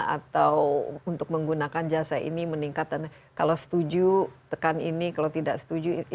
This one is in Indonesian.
atau untuk menggunakan jasa ini meningkat dan kalau setuju tekan ini kalau tidak setuju